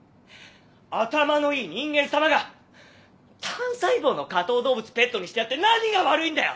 頭のいい人間さまが単細胞の下等動物ペットにしてやって何が悪いんだよ！